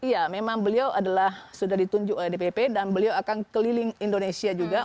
iya memang beliau adalah sudah ditunjuk oleh dpp dan beliau akan keliling indonesia juga